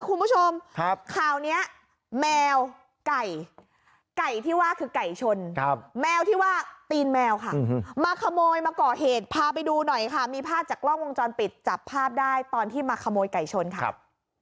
คุณผู้ชมครับข่าวนี้แมวไก่ไก่ที่ว่าคือไก่ชนครับแมวที่ว่าตีนแมวค่ะมาขโมยมาก่อเหตุพาไปดูหน่อยค่ะมีภาพจากกล้องวงจรปิดจับภาพได้ตอนที่มาขโมยไก่ชนค่ะครับ